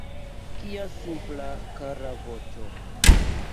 Kia simpla, kara voĉo!